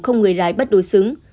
không người lái bất đối xứng